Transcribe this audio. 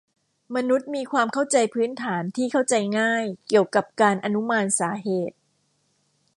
มนุษย์มีความเข้าใจพื้นฐานที่เข้าใจง่ายเกี่ยวกับการอนุมานสาเหตุ